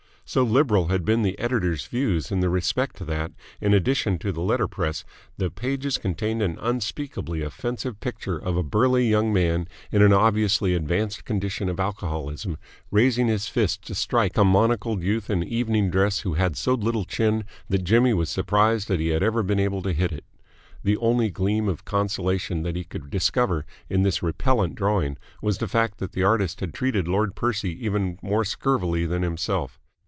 So liberal had been the editor's views in the respect that, in addition to the letter press, the pages contained an unspeakably offensive picture of a burly young man in an obviously advanced condition of alcoholism raising his fist to strike a monocled youth in evening dress who had so little chin that Jimmy was surprised that he had ever been able to hit it. The only gleam of consolation that he could discover in this repellent drawing was the fact that the artist had treated Lord Percy even more scurvily than himself.